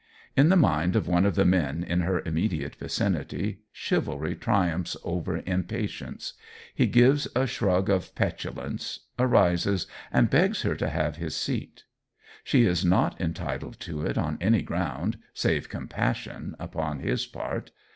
In the mind of one of the men in her immediate vicinity chivalry triumphs over impatience. He gives a shrug of petulance, arises and begs her to have his seat. She is not entitled to it on any ground, save compassion upon his part.